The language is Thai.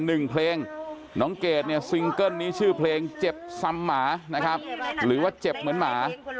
หนึ่งเพลงน้องเกดเนี่ยซิงเกิ้ลนี้ชื่อเพลงเจ็บซ้ำหมานะครับหรือว่าเจ็บเหมือนหมา